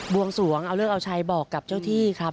วงสวงเอาเลิกเอาชัยบอกกับเจ้าที่ครับ